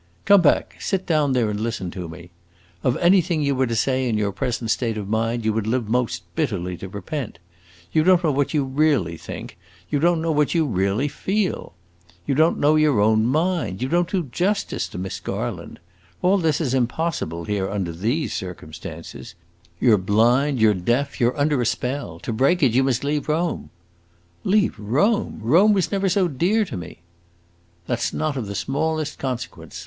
"Come back; sit down there and listen to me. Of anything you were to say in your present state of mind you would live most bitterly to repent. You don't know what you really think; you don't know what you really feel. You don't know your own mind; you don't do justice to Miss Garland. All this is impossible here, under these circumstances. You 're blind, you 're deaf, you 're under a spell. To break it, you must leave Rome." "Leave Rome! Rome was never so dear to me." "That 's not of the smallest consequence.